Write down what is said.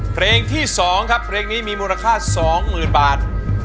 เพลงที่สองครับเพลงนี้มีมูลค่าสองหมื่นบาท